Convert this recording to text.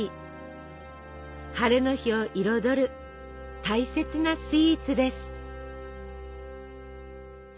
晴れの日を彩る大切なスイーツです。